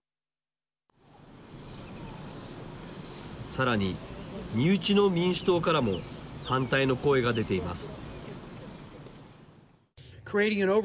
さらに、身内の民主党からも反対の声が出ています。